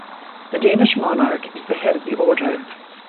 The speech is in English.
The Danish monarch is the head of the order.